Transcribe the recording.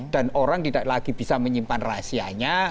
dan orang tidak lagi bisa menyimpan rahasianya